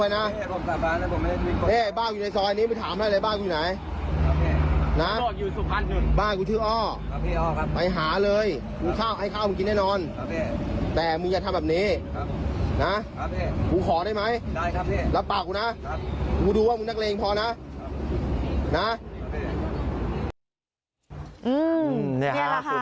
นี่แหละค่ะ